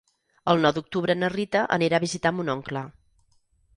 El nou d'octubre na Rita anirà a visitar mon oncle.